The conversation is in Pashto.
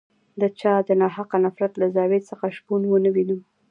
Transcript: د چا د ناحقه نفرت له زاویې څخه شپون ونه وینم.